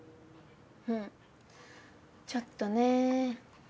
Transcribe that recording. うんちょっとね。